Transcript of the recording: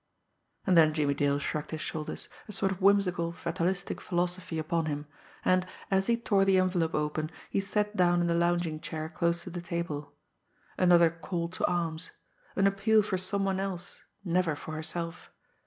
And then Jimmie Dale shrugged his shoulders, a sort of whimsical fatalistic philosophy upon him, and, as he tore the envelope open, he sat down in the lounging chair close to the table. Another "call to arms"! An appeal for some one else never for herself!